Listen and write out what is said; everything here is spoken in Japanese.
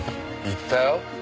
言ったよ。